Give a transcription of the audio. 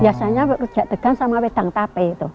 biasanya kerja degan sama wedang tape itu